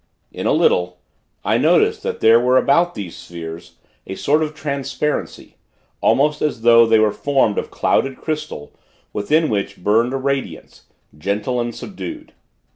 In a little, I noticed that there was about these spheres, a sort of transparency, almost as though they were formed of clouded crystal, within which burned a radiance gentle and subdued.